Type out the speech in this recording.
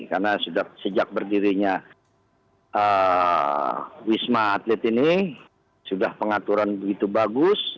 karena sudah sejak berdirinya wisma atlet ini sudah pengaturan begitu bagus